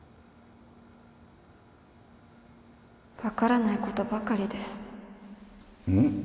わからないことばかりです。